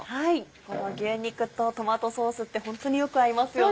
この牛肉とトマトソースってホントによく合いますよね。